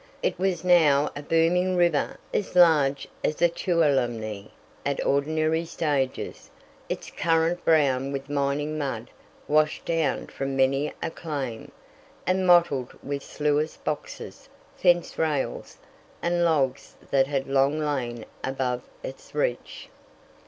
It was now a booming river as large as the Tuolumne at ordinary stages, its current brown with mining mud washed down from many a "claim," and mottled with sluice boxes, fence rails, and logs that had long lain above its reach.